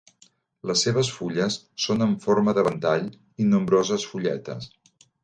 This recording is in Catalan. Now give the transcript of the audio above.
Les seves fulles són amb forma de ventall i nombroses fulletes.